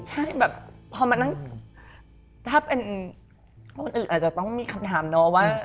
ใช่ถ้าเป็นคนอื่นอาจจะต้องมีคำถามเนาะว่า